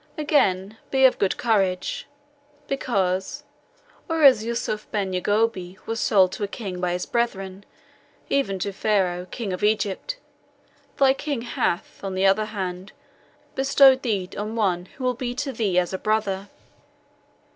Again, be of good courage; because, whereas Ysouf Ben Yagoube was sold to a king by his brethren, even to Pharaoh, King of Egypt, thy king hath, on the other hand, bestowed thee on one who will be to thee as a brother."